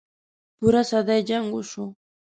پوره صدۍ جـنګ وشو.